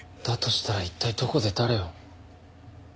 だとしたら一体どこで誰を。